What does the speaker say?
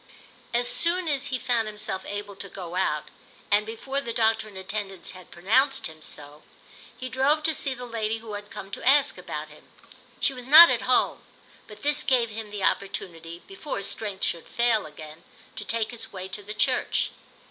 As soon as he found himself able to go out, and before the doctor in attendance had pronounced him so, he drove to see the lady who had come to ask about him. She was not at home; but this gave him the opportunity, before his strength should fall again, to take his way to the church.